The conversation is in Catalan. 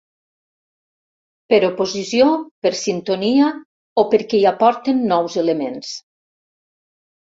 Per oposició, per sintonia o perquè hi aporten nous elements.